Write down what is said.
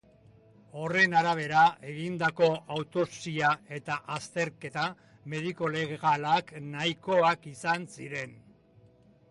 Horren arabera egindako autopsiak eta azterketa mediko-legalak nahikoak izan ziren.